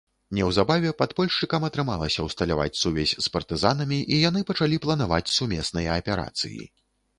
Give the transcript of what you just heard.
Неўзабаве падпольшчыкам атрымалася ўсталяваць сувязь з партызанамі і яны пачалі планаваць сумесныя аперацыі.